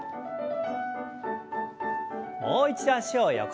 もう一度脚を横に。